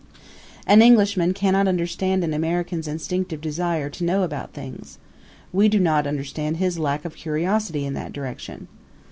An Englishman cannot understand an American's instinctive desire to know about things; we do not understand his lack of curiosity in that direction.